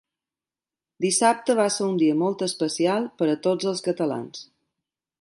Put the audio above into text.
Dissabte va ser un dia molt especial per a tots els catalans.